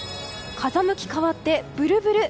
風向き変わってブルブル。